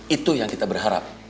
itu yang kita berharap